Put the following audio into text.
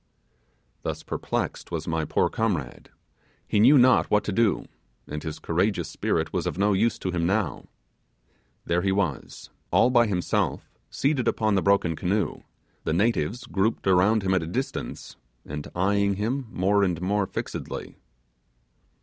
Thus perplexed was my poor comrade; he knew not what to do, and his courageous spirit was of no use to him now. There he was, all by himself, seated upon the broken canoe the natives grouped around him at a distance, and eyeing him more and more fixedly.